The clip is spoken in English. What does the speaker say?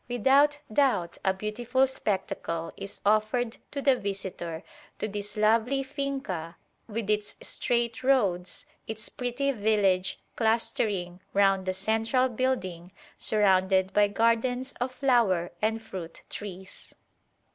Without doubt a beautiful spectacle is offered to the visitor to this lovely finca with its straight roads, its pretty village clustering round the central building surrounded by gardens of flower and fruit trees."